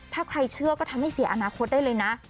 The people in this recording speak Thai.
ถ้าใครเชื่อก็ทำให้เสียอนาคตได้เลยนะ